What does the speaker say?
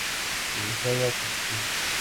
Regresaba a Concepción.